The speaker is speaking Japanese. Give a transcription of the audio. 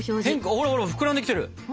ほらほら膨らんできてる。